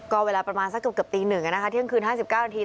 ก็เวลาประมาณสักเกือบเกือบตีหนึ่งนะคะเที่ยงคืนห้าสิบเก้าระมันที